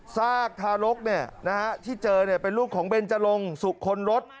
ซากทารกที่เจอเป็นลูกของเบนจรงสุขลรส